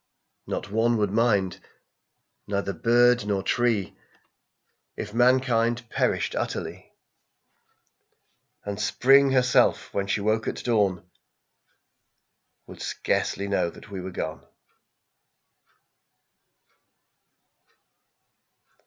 Not one would mind, neither bird nor tree If mankind perished utterly; And Spring herself, when she woke at dawn, Would scarcely know that we were gone.